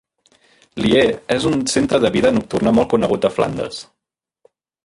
Lier és un centre de vida nocturna molt conegut a Flandes.